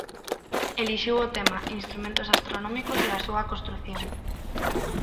Elixiu o tema "Instrumentos astronómicos e a súa construción".